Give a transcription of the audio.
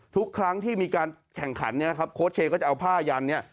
ทุกครั้งที่มีการแข่งขันเนี่ยครับโค้ชเชย์ก็จะเอาผ้ายันเนี่ย